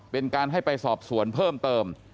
เป็นการให้ไปสอบสวนเพิ่มเติม